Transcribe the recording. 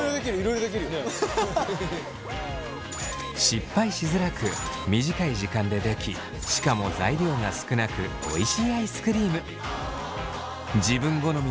失敗しづらく短い時間でできしかも材料が少なくおいしいアイスクリーム。